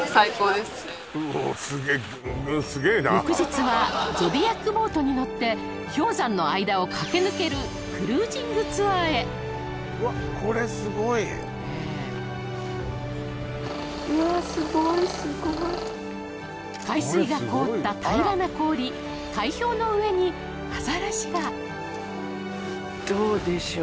すげえな翌日はゾディアックボートに乗って氷山の間を駆け抜けるクルージングツアーへわっこれスゴいええ海水が凍った平らな氷海氷の上にアザラシがどうでしょう？